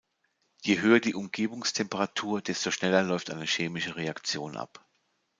Je höher die Umgebungstemperatur, desto schneller läuft eine chemische Reaktion ab.